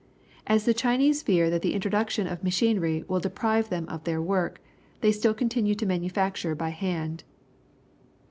As the Chinese fear that the introduction of machinery will deprive them of their work, they still continue to manufacture by hand.